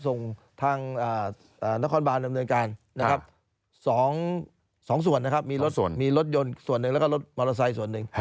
ส่งทางนครบานดำเนินการนะครับ๒ส่วนนะครับมีรถส่วนมีรถยนต์ส่วนหนึ่งแล้วก็รถมอเตอร์ไซค์ส่วนหนึ่ง